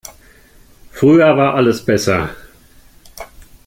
Früher war alles besser.